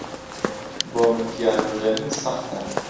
بۆ من پیانۆ ژەنین سەختە.